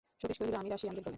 সতীশ কহিল, আমি রাশিয়ানের দলে।